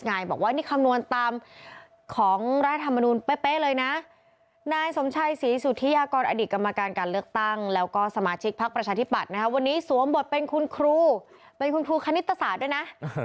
ไงบอกว่านี่คำนวณตามของรัฐธรรมนูญเป๊ะเลยนะ